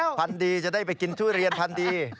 พันธุ์ดีจะได้ไปกินทุเรียนพันธุ์ดี